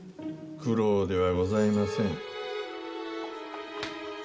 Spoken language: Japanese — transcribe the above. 苦労ではございません。